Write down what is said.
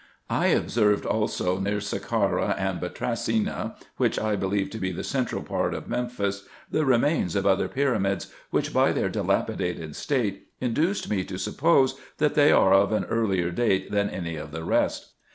I observed also near Sacara and Betracina, 6 RESEARCHES AND OPERATIONS which I believe to be the central part of Memphis, the remains of other pyramids, which, by their dilapidated state, induced me to suppose, that they are of an earlier date than any of the rest.